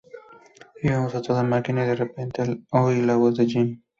Íbamos a toda máquina y, de repente, oí la voz de Jim.